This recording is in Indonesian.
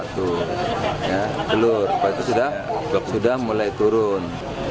telur apalagi itu sudah mulai turun